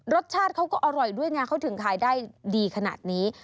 รสชาติเขาก็อร่อยด้วยไงเขาถึงขายได้ดีขนาดนี้